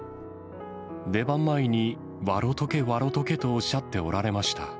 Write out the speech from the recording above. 出番前にわろとけわろとけとおっしゃっておられました。